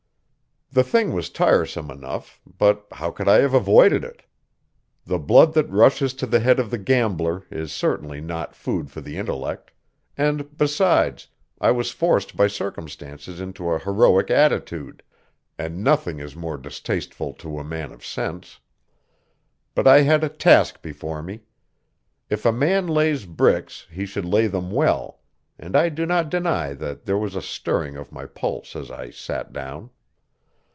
The thing was tiresome enough, but how could I have avoided it? The blood that rushes to the head of the gambler is certainly not food for the intellect; and, besides, I was forced by circumstances into an heroic attitude and nothing is more distasteful to a man of sense. But I had a task before me; if a man lays bricks he should lay them well; and I do not deny that there was a stirring of my pulse as I sat down.